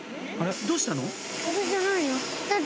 どうしたの？